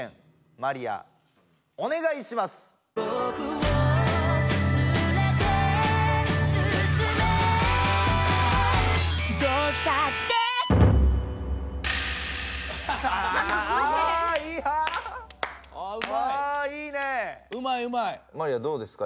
マリアどうですか？